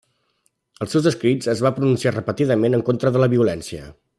Als seus escrits es va pronunciar repetidament en contra de la violència.